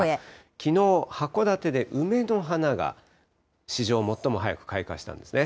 きのう、函館で梅の花が史上最も早く開花したんですね。